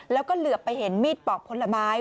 แล้วก็เหลือไปเห็นมีดปอกผลไม้